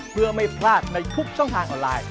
เพื่อไม่พลาดในทุกช่องทางออนไลน์